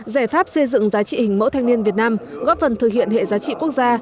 giải pháp xây dựng giá trị hình mẫu thanh niên việt nam góp phần thực hiện hệ giá trị quốc gia